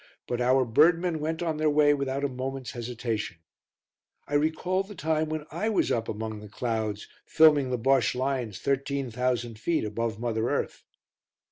But our birdmen went on their way without a moment's hesitation. I recalled the time when I was up among the clouds, filming the Bosche lines thirteen thousand feet above mother earth.